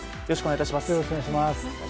よろしくお願いします。